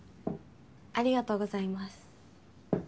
ありがとうございます。